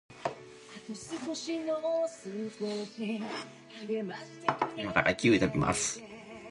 For fungi, anastomosis is also a component of reproduction.